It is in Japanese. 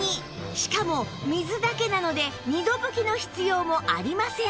しかも水だけなので二度拭きの必要もありません